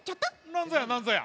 なんぞやなんぞや？